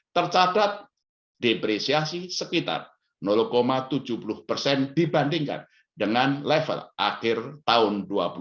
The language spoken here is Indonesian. dua ribu dua puluh dua tercatat depresiasi sekitar tujuh puluh persen dibandingkan dengan level akhir tahun dua ribu dua puluh satu